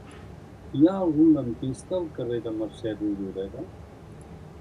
Hi ha algun lampista al carrer de Mercè Rodoreda?